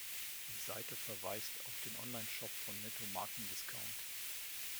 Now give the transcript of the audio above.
Die Seite verweist auf den Online-Shop von Netto Marken-Discount.